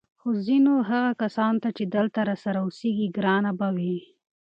خو ځینو هغه کسانو ته چې دلته راسره اوسېږي ګرانه به وي